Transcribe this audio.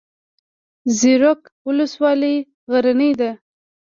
زیروک ولسوالۍ غرنۍ ده؟